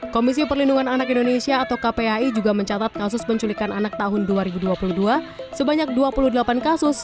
komisi perlindungan anak indonesia atau kpai juga mencatat kasus penculikan anak tahun dua ribu dua puluh dua sebanyak dua puluh delapan kasus